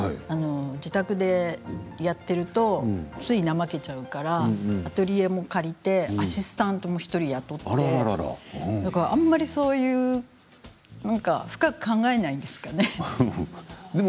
自宅でやっているとつい怠けちゃうからアトリエも借りてアシスタントも１人雇ってだから、深く考えないんですかね。